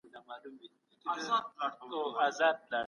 بشري قوانین تل د بدلون په حال کي دي.